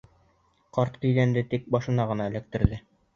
Ҡарт киҙәнде, тик башына ғына эләктерҙе.